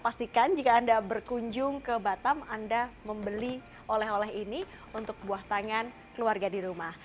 pastikan jika anda berkunjung ke batam anda membeli oleh oleh ini untuk buah tangan keluarga di rumah